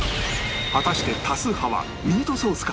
果たして多数派はミートソースか？